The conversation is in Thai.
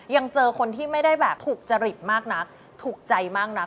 ยังเจอคนที่ไม่ได้แบบถูกจริตมากนักถูกใจมากนัก